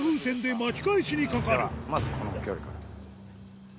まずこの距離から。